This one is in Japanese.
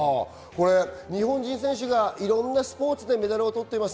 日本人選手がいろんなスポーツでメダルを取っています。